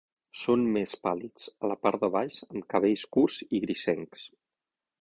Són més pàl·lids a la part de baix, amb cabells curts i grisencs.